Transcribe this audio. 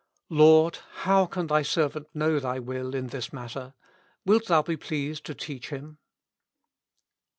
" Lord ! how can Thy servant know Thy will in this matter? Wilt Thou be pleased to teach him